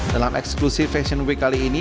dalam eksklusif fashion week kali ini